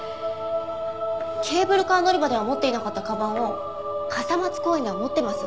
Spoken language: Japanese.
ケーブルカー乗り場では持っていなかった鞄を傘松公園では持ってます。